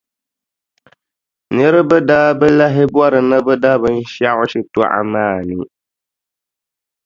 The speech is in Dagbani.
Niriba daa bi lahi bɔri ni bɛ da binshɛɣu shitɔɣu maa ni.